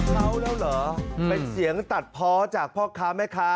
ครั้วแล้วเหรอเป็นเสียงตัดพอจากพ้อค้าแม่ค้า